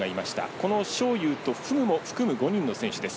この章勇とフグを含む５人の選手です。